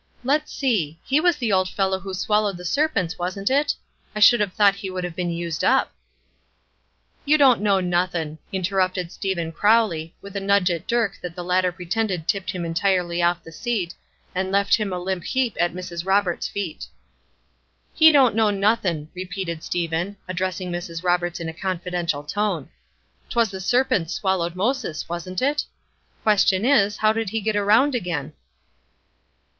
"Let's see! that was the old fellow who swallowed the serpents, wasn't it? I should have thought he would have been used up." "You don't know nothin'," interrupted Stephen Crowley, with a nudge at Dirk that the latter pretended tipped him entirely off the seat, and left him a limp heap at Mrs. Robert' feet. "He don't know nothin'!" repeated Stephen, addressing Mrs. Roberts in a confidential tone. "'T was the serpents swallowed Moses, wasn't it? Question is, How did he get around again?"